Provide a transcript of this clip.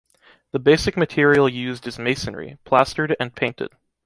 The basic material used is masonry, plastered and painted.